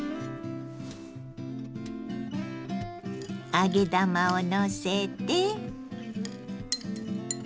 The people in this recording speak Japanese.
揚げ玉をのせて。